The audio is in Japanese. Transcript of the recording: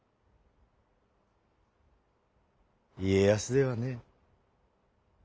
家康ではねえ。